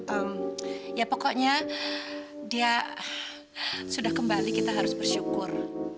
ehm ya pokoknya dia sudah kembali kita harus bersyukur